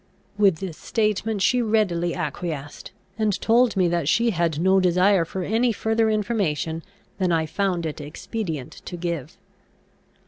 With this statement she readily acquiesced, and told me that she had no desire for any further information than I found it expedient to give.